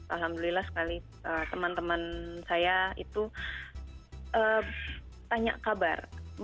alhamdulillah sekali teman teman saya itu tanya kabar